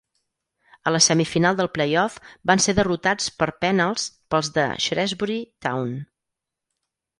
A la semifinal del play-off van ser derrotats per penals pels de Shrewsbury Town.